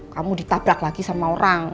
kamu ditabrak lagi sama orang